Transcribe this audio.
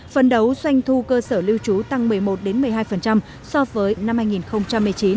phần đấu doanh thu cơ sở lưu trú tăng một mươi một một mươi hai so với năm hai nghìn một mươi chín